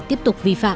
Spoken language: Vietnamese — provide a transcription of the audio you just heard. tiếp tục vi phạm